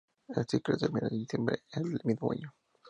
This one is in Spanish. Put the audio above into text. El ciclo terminó en diciembre del mismo año.